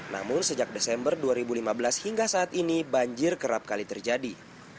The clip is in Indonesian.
namun sejak desember dua ribu lima belas hingga saat ini banjir kerap kali terjadi